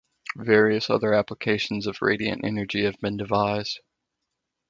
Various other applications of radiant energy have been devised.